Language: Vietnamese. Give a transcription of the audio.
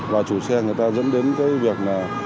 và chủ xe người ta dẫn đến cái việc là